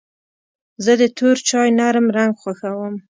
زه د تور چای نرم رنګ خوښوم.